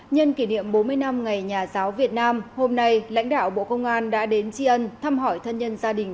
nhân kỷ niệm bốn mươi năm ngày nhà giáo việt nam hôm nay lãnh đạo bộ công an đã đến tri ân thăm hỏi thân nhân gia đình